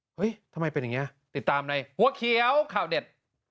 เฮ้ยทำไมเป็นอย่างนี้ติดตามในหัวเขียวข่าวเด็ด